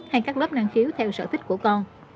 hay các lớp năng khiếu theo sở thích của con